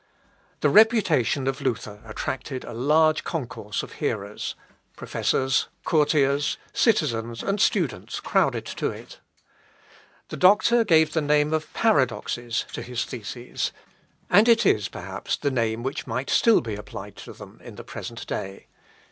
The reputation of Luther attracted a large concourse of hearers; professors, courtiers, citizens, and students, crowded to it. The doctor gave the name of Paradoxes to his theses, and it is, perhaps, the name which might still be applied to them in the present day.